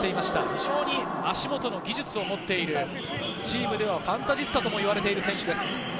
非常に足元の技術を持っている、チームではファンタジスタとも呼ばれている選手です。